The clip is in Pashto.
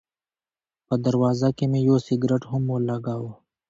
په دروازه کې مې یو سګرټ هم ولګاوه.